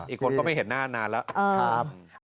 อีกคนก็ไม่เห็นหน้านานแล้วครับ